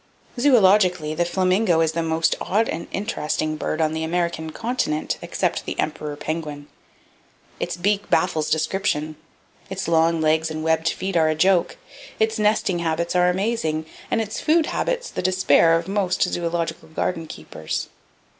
Zoologically, the flamingo is the most odd and interesting bird on the American continent except the emperor penguin. Its beak baffles description, its long legs and webbed feet are a joke, its nesting habits are amazing, and its food habits the despair of most zoological garden keepers.